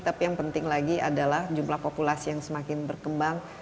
tapi yang penting lagi adalah jumlah populasi yang semakin berkembang